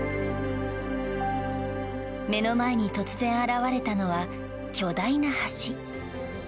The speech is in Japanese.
目の前に突然現れたのは巨大な橋。